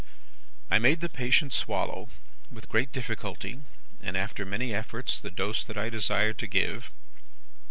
"I made the patient swallow, with great difficulty, and after many efforts, the dose that I desired to give.